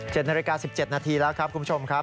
๗นาฬิกา๑๗นาทีแล้วครับคุณผู้ชมครับ